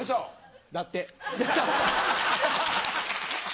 だって。